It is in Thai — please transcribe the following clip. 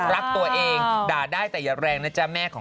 รักตัวเองด่าได้แต่ยัดแรงนะจ๊ะ